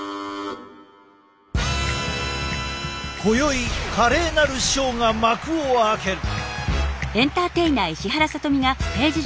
今宵華麗なるショーが幕を開ける！